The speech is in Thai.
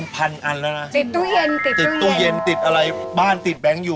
แล้วอะไรถ่ายก่อนอะไรถ่ายหลัง